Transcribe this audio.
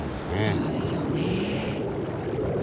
そうでしょうね。